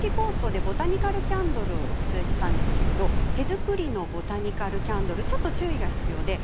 ＲＥＰＯＲＴ」で、ボタニカルキャンドルをお伝えしたんですが手作りのボタニカルキャンドルは注意が必要です。